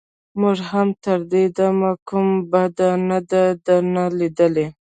موږ هم تر دې دمه کوم بد نه دي درنه ليدلي.